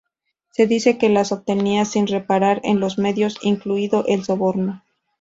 Se dice que las obtenía sin reparar en los medios, incluido el soborno.